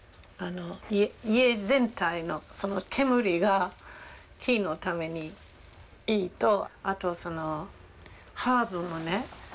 家全体のその煙が木のためにいいのとあとハーブもね